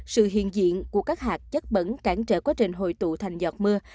sự hiện diện của các hạt chất bẩn cản trở quá trình hội tụ thành giọt mưa